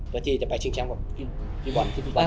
ปฏิสถ์จะไปเชิงแชมป์แบบ